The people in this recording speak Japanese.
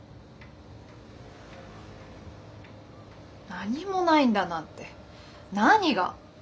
何もないんだなって何が？